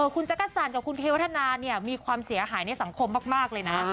คุณจักรจันทร์กับคุณเทวัฒนาเนี่ยมีความเสียหายในสังคมมากเลยนะ